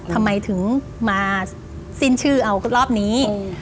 ทำไมถึงมาสิ้นชื่อเอารอบนี้